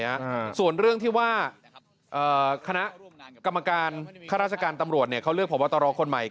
ใช่ส่วนเรื่องที่ว่าคณะกรรมการคณะราชการตำรวจเขาเลือกขอบว่าตรอคนใหม่